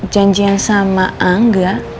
janjian sama angga